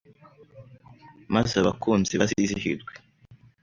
Maze abakunzi bazizihirwe